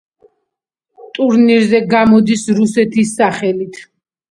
ტურნირებზე გამოდის რუსეთის სახელით.